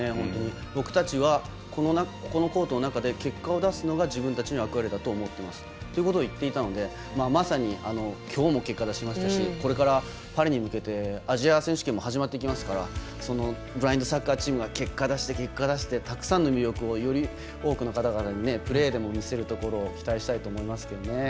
僕たちはコートの中で結果を出すのが自分たちの役割だと思っていますということを言っていたので、まさにきょうも結果出しましたしこれからパリに向けてアジア選手権も始まってきますからブラインドサッカーチームが結果出して、結果出してたくさんの魅力をより多くの方々にプレーでも見せるところを期待したいと思います。